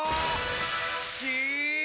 し！